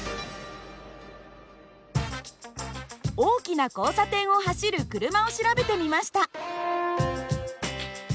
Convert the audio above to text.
大きな交差点を走る車を調べてみました。